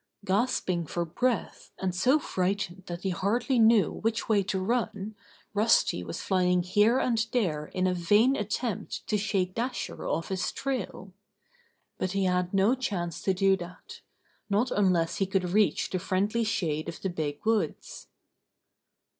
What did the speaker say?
Gasping for breath, and so frightened that he hardly knew which way to turn, Rusty was flying here and there in a vain attempt to shake Dasher off his trail. But he had no chance to do that — not unless he could reach the friendly shade of the big woods.